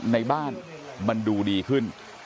ในบ้านมันดูดีขึ้น